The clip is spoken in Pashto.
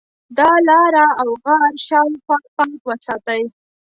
د ا لاره او غار شاوخوا پاک وساتئ.